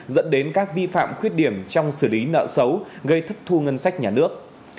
dẫn đến các vi phạm khuyết điểm trong xử lý nợ xấu gây thất thu ngân sách nhà nước